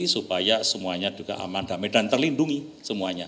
supaya semuanya juga aman damai dan terlindungi semuanya